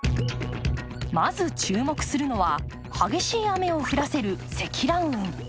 まず注目するのは激しい雨を降らせる積乱雲。